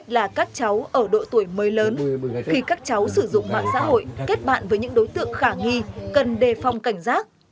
là các cháu ở độ tuổi mới lớn khi các cháu sử dụng mạng xã hội kết bạn với những đối tượng khả nghi cần đề phong cảnh giác